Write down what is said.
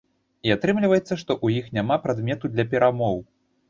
І атрымліваецца, што ў іх няма прадмету для перамоў.